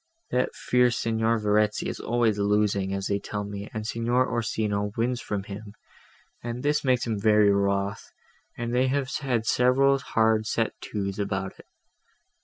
That fierce Signor Verezzi is always losing, as they tell me, and Signor Orsino wins from him, and this makes him very wroth, and they have had several hard set to's about it.